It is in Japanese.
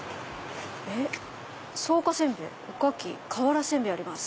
「草加煎餅おかき瓦せんべいあります」。